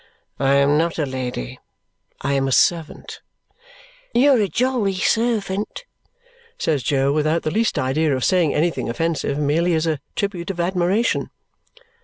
"I am not a lady. I am a servant." "You are a jolly servant!" says Jo without the least idea of saying anything offensive, merely as a tribute of admiration.